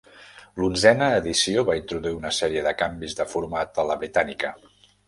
L'onzena edició va introduir una sèrie de canvis de format a la "Britannica".